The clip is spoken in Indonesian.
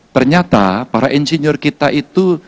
ternyata para insinyur kita itu